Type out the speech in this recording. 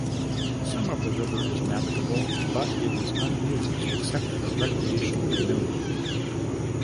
Some of the river is navigable, but it is unused except for recreational canoeing.